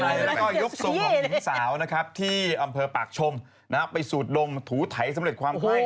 แล้วก็ยกทรงของหญิงสาวนะครับที่อำเภอปากชมไปสูดดมถูไถสำเร็จความไข้